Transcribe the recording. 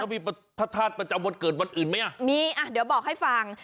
มีพระธาตุประจำวันเกิดวันอื่นไหมอ่ะมีอ่ะเดี๋ยวบอกให้ฟัง